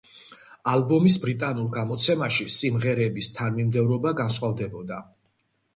ალბომის ბრიტანულ გამოცემაში სიმღერების თანმიმდევრობა განსხვავდებოდა.